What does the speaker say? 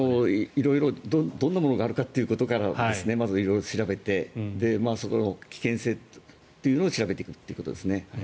色々、どんなものがあるかということから調べてその危険性というのを調べていくということですね。